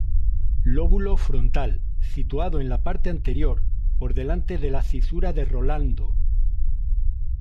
Lóbulo frontal: Situado en la parte anterior, por delante de la cisura de Rolando.